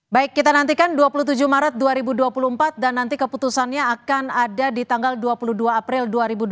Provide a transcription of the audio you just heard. baik kita nantikan dua puluh tujuh maret dua ribu dua puluh empat dan nanti keputusannya akan ada di tanggal dua puluh dua april dua ribu dua puluh